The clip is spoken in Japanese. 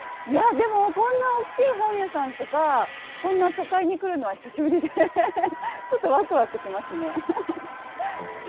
でもこんな大きい本屋さんとかこんな都会に来るのは久しぶりでちょっとワクワクしますね。